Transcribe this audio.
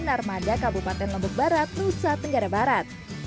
narmada kabupaten lombok barat nusa tenggara barat